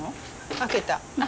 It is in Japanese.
開けた。